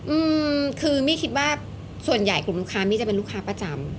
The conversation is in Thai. อืมคือมี่คิดว่าส่วนใหญ่กลุ่มลูกค้ามี่จะเป็นลูกค้าประจำ